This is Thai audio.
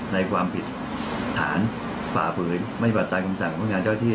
ในความผิดฐานฝ่าฝืนไม่ปัจจัยคำสั่งของพนักงานเจ้าที่